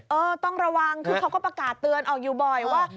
เออต้องระวังคือเขาก็ประกาศเตือนออกอยู่บ่อยว่า